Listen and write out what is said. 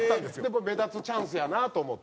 これ目立つチャンスやなと思って。